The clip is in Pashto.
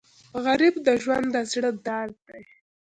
غریب د ژوند د زړه درد دی